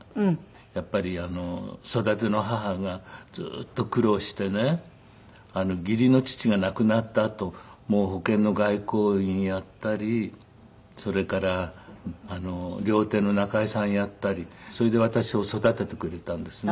やっぱり育ての母がずーっと苦労してね義理の父が亡くなったあと保険の外交員やったりそれから料亭の仲居さんやったりそれで私を育ててくれたんですね。